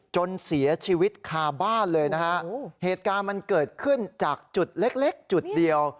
จนเสียชีวิตคาบ้านเลยนะฮะเหตุการณ์มันเกิดขึ้นจากจุดเล็กเล็กจุดเดียว